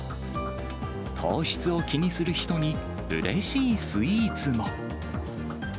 糖質を気にする人に、うれしいスイーツも。